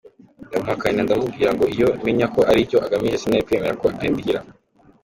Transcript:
Ndamuhakanira ndamubwira ngo iyo menya ko aricyo agamije sinari kwemera ko andihira.